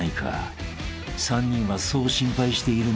［３人はそう心配しているのだという］